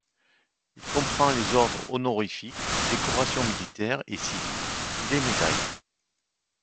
Il comprend les ordres honorifiques, les décorations militaires et civiles et les médailles.